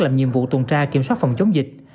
làm nhiệm vụ tuần tra kiểm soát phòng chống dịch